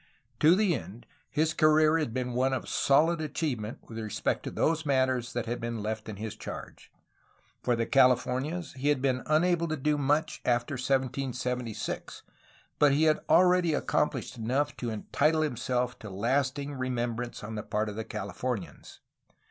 To the end, his career had been one of solid achievement with respect to those matters that had been left in his charge. For the Californias he had been unable to do much after 1776, but he had already ac complished enough to entitle himself to lasting remembrance on the part of Califomians.